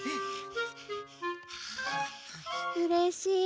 うれしい。